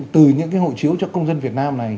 từ những cái hộ chiếu cho công dân việt nam này